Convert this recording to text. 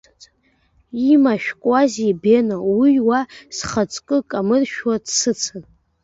Имашәкуазеи Бено, уи уа схаҵкы камыршәуа дсыцын…